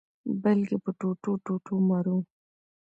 بلکي په ټوټو-ټوټو مرو